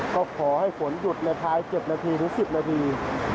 ก็ขอให้ฝนหยุดในท้ายเจ็บนาทีหรือสิบนาที